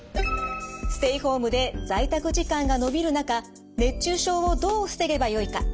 ステイホームで在宅時間がのびる中熱中症をどう防げばよいか。